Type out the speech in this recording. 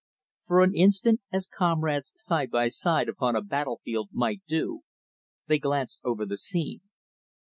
For an instant, as comrades side by side upon a battle field might do, they glanced over the scene.